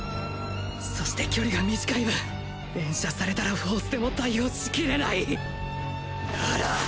そして距離が短い分連射されたら４ｔｈでも対応しきれない。なら！